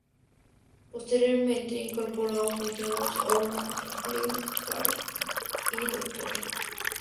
Posteriormente incorporó a unos nuevos Hourman, Wildcat y Dra.